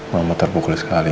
mama terpukul sekali